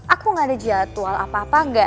aku gak ada jadwal apa apa enggak